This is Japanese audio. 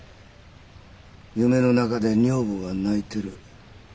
夢の中で女房が泣いてる。